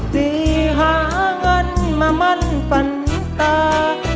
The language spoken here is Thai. ไปหาเงินมามั่นฝันตา